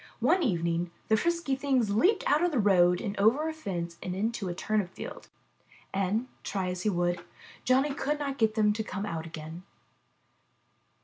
One evening the frisky things leaped out of the road and over a fence and into a turnip field, and, try as he would, Johnny could not get them to come out again.'